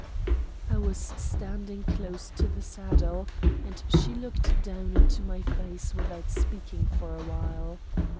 I was standing close to the saddle, and she looked down into my face without speaking for a while.